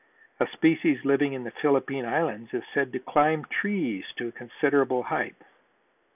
A species living in the Philippine Islands is said to climb trees to a considerable height.